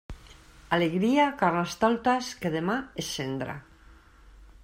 Alegria, carnestoltes, que demà és cendra.